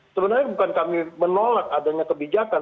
sebenarnya bukan kami menolak adanya kebijakan